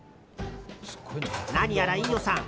何やら飯尾さん